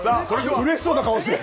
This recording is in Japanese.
うれしそうな顔してる。